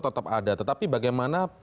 tetap ada tetapi bagaimana